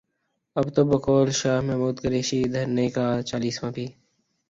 اب تو بقول شاہ محمود قریشی، دھرنے کا چالیسواں بھی